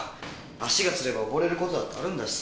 足がつれば溺れることだってあるんだしさ。